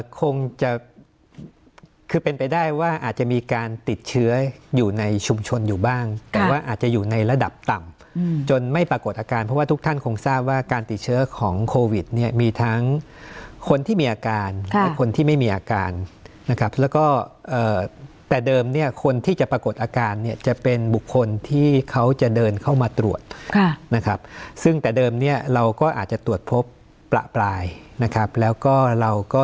คงจะคือเป็นไปได้ว่าอาจจะมีการติดเชื้ออยู่ในชุมชนอยู่บ้างแต่ว่าอาจจะอยู่ในระดับต่ำจนไม่ปรากฏอาการเพราะว่าทุกท่านคงทราบว่าการติดเชื้อของโควิดเนี่ยมีทั้งคนที่มีอาการและคนที่ไม่มีอาการนะครับแล้วก็แต่เดิมเนี่ยคนที่จะปรากฏอาการเนี่ยจะเป็นบุคคลที่เขาจะเดินเข้ามาตรวจนะครับซึ่งแต่เดิมเนี่ยเราก็อาจจะตรวจพบประปรายนะครับแล้วก็เราก็